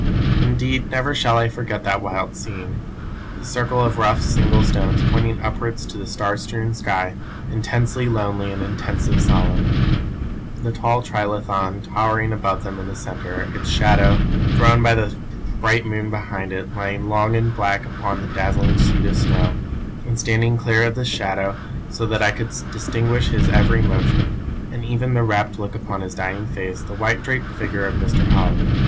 "Indeed never shall I forget that wild scene. The circle of rough, single stones pointing upwards to the star strewn sky, intensely lonely and intensely solemn: the tall trilithon towering above them in the centre, its shadow, thrown by the bright moon behind it, lying long and black upon the dazzling sheet of snow, and, standing clear of this shadow so that I could distinguish his every motion, and even the rapt look upon his dying face, the white draped figure of Mr. Holly.